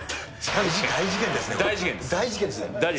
大事件ですね、これ。